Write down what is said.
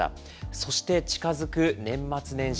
そして近づく年末年始。